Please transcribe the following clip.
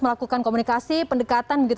melakukan komunikasi pendekatan